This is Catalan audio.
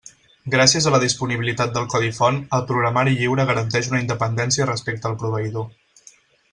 Gràcies a la disponibilitat del codi font, el programari lliure garanteix una independència respecte al proveïdor.